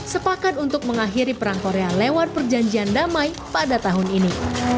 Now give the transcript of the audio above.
sepakat untuk mengakhiri perang korea lewat perjanjian damai pada tahun ini